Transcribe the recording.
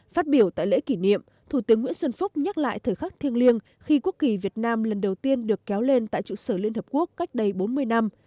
phát biểu tại lễ kỷ niệm thủ tướng nguyễn xuân phúc nhắc lại thời khắc thiêng liêng khi quốc kỳ việt nam lần đầu tiên được kéo lên tại trụ sở liên hợp quốc cách đây bốn mươi năm